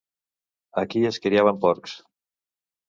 Aquí es criaven porcs.